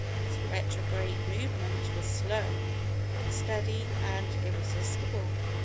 Its retrograde movement was slow, but steady and irresistible.